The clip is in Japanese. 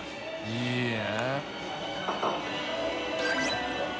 いいね。